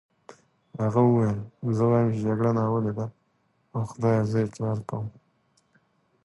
هغه وویل: زه وایم چې جګړه ناولې ده، اوه خدایه زه اقرار کوم.